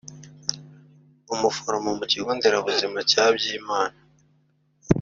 Umuforomo mu Kigo Nderabuzima cya Byimana